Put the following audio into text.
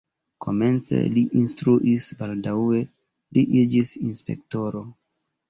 Komence li instruis, baldaŭe li iĝis inspektoro.